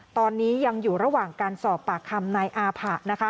ตอนนี้ยังอยู่ระหว่างการสอบปากคำนายอาผะนะคะ